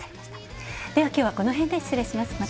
では、きょうはこの辺で失礼します。